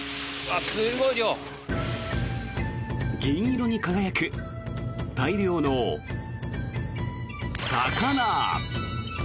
銀色に輝く大量の魚。